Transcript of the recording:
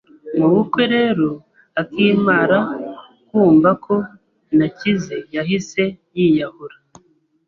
Mabukwe rero akimara kumva ko nakize yahise yiyahura